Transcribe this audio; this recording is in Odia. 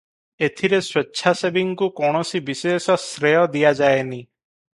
ଏଥିରେ ସ୍ୱେଚ୍ଛାସେବୀଙ୍କୁ କୌଣସି ବିଶେଷ ଶ୍ରେୟ ଦିଆଯାଏନି ।